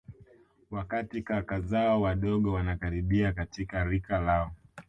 Wakati kaka zao wadogo wanakaribia katika rika lao